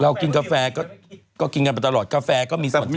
เรากินกาแฟก็กินตลอดกาแฟก็มีส่วนเห็น